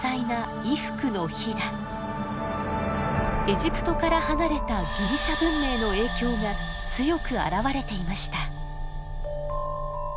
エジプトから離れたギリシャ文明の影響が強く表れていました。